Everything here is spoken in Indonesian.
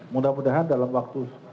mudah mudahan dalam waktu